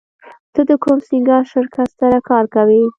ته د کوم سینګار شرکت سره کار کوې